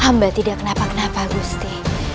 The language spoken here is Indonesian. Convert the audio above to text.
hamba tidak kenapa kenapa gusti